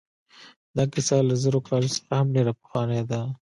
دا کیسه له زرو کالو څخه هم ډېره پخوانۍ ده.